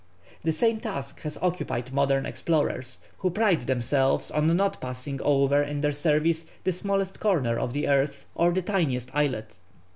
The same task has occupied modern explorers, who pride themselves on not passing over in their surveys the smallest corner of the earth, or the tiniest islet.